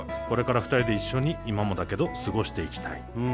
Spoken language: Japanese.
「これから２人で一緒に今もだけど過ごしていきたい。